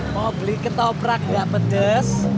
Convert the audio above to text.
mau beli ketoprak nggak pedes